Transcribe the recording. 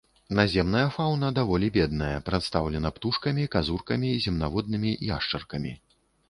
Наземная фаўна даволі бедная, прадстаўлена птушкамі, казуркамі, земнаводнымі, яшчаркамі.